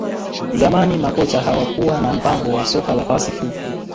Zamani makocha hawakuwa na mpango wa soka la pasi fupi